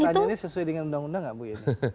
iya kalau sesuai dengan undang undang itu